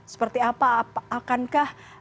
seperti apa akankah